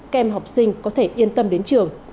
các em học sinh có thể yên tâm đến trường